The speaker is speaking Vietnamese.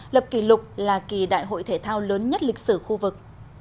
lập kỷ lục là kỳ đại hội thể thao lớn nhất lịch sử khu vực